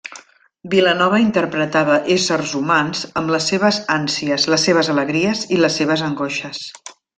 Vilanova interpretava éssers humans amb les seves ànsies, les seves alegries i les seves angoixes.